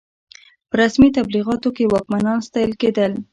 په رسمي تبلیغاتو کې واکمنان ستایل کېدل.